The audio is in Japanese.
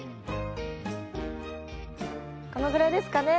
このぐらいですかね。